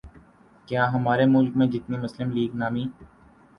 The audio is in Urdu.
کیا ہمارے ملک میں جتنی مسلم لیگ نامی